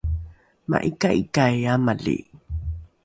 ma’ika’ikai amali